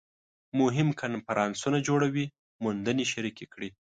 مهم کنفرانسونه جوړوي موندنې شریکې کړي